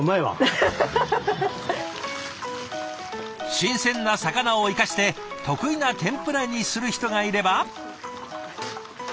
新鮮な魚を生かして得意な天ぷらにする人がいれば。